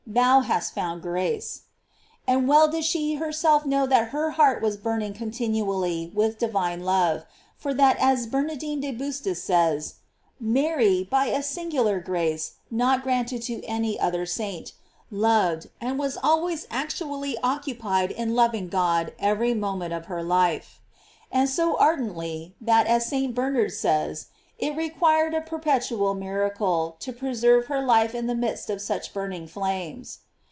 thou hast found grace."* And well did she herself know that her heart was burning continually with divine love, for that as Bernardine de Bustis says, Mary, by a singular grace not granted to any other saint, loved, and was always actually occupied in lov ing God every moment of her life, and so ar dently, that, as St. Bernard says, it required a perpetual miracle to preserve her life in the midst of such burning flames.